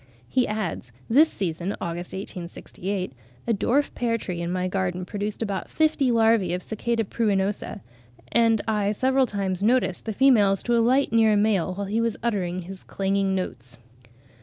He adds, "this season (Aug. 1868) a dwarf pear tree in my garden produced about fifty larvae of Cic. pruinosa; and I several times noticed the females to alight near a male while he was uttering his clanging notes."